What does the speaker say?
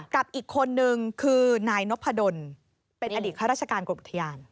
กับอีกคนนึงคือนายนพดลเป็นอดีตข้าราชการกรมอุทยาน